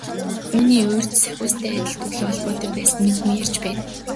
Үүний урьд Сахиустай ажил төрлийн холбоотой байсан нэг хүн ярьж байна.